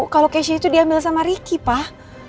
kalo keisha itu diambil sama ricky pak